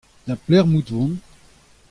Da belec'h emaout o vont ?